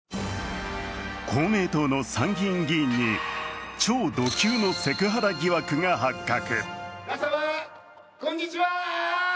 公明党の参議院議員に超ド級のセクハラ疑惑が発覚。